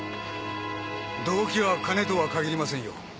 動機は金とはかぎりませんよ。